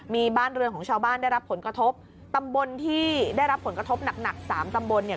มีบ้านเรือนของชาวบ้านได้รับผลกระทบตำบลที่ได้รับผลกระทบหนักหนักสามตำบลเนี่ย